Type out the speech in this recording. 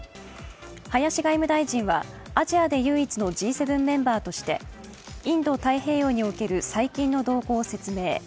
林外務大臣はアジアで唯一のＧ７メンバーとしてインド太平洋における最近の動向を説明。